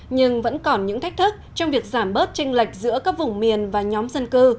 nhưng vẫn còn những thách thức trong việc giảm bớt tranh lệch giữa các vùng miền và nhóm dân cư